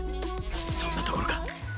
そんなところか。